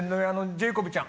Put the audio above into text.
ジェイコブちゃん。